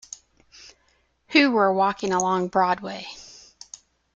Who were walking along Broadway.